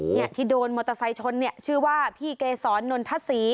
เนี่ยที่โดนมอเตอร์ไซค์ชนเนี่ยชื่อว่าพี่เกศรนนทศรี